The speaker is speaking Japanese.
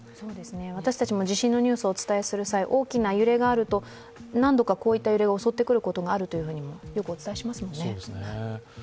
私たちも地震のニュースをお伝えする際大きな揺れがあると、何度かこういった揺れが襲ってくることがあると、よくお伝えしますよね。